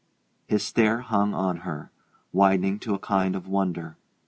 His stare hung on her, widening to a kind of wonder.